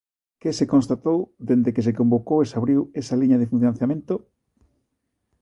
¿Que se constatou dende que se convocou e se abriu esa liña de financiamento?